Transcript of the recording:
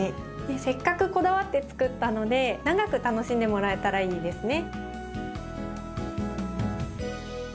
せっかくこだわって作ったので長く楽しんでもらえたらいいですね。